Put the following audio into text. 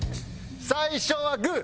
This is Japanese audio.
最初はグー！